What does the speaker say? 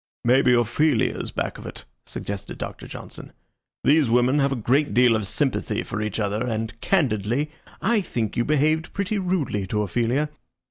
"Maybe Ophelia is back of it," suggested Doctor Johnson. "These women have a great deal of sympathy for each other, and, candidly, I think you behaved pretty rudely to Ophelia.